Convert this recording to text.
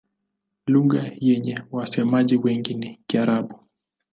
Lugha yenye wasemaji wengi ni Kiarabu.